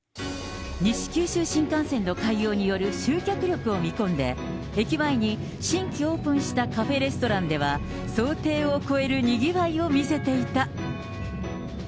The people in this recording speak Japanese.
西九州新幹線の開業による集客力を見込んで、駅前に新規オープンしたカフェレストランでは想定を超えるにぎわいを見せていた。